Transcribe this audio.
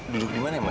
duduk dimana mbak